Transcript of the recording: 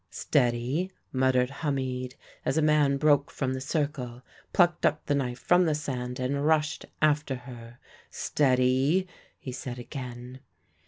"'Steady!' muttered Hamid, as a man broke from the circle, plucked up the knife from the sand and rushed after her. 'Steady!' he said again.